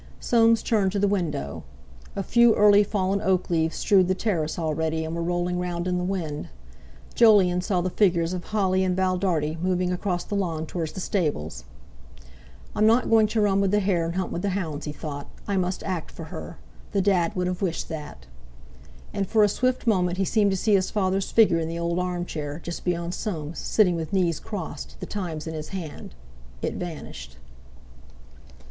Soames turned to the window. A few early fallen oak leaves strewed the terrace already, and were rolling round in the wind. Jolyon saw the figures of Holly and Val Dartie moving across the lawn towards the stables. "I'm not going to run with the hare and hunt with the hounds," he thought. "I must act for her. The Dad would have wished that." And for a swift moment he seemed to see his father's figure in the old armchair, just beyond Soames, sitting with knees crossed, The Times in his hand. It vanished.